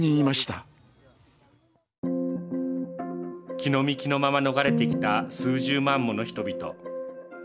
着のみ着のまま逃れてきた数十万もの人々。